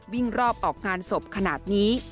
วิ่งรอบออกงานศพขนาดนี้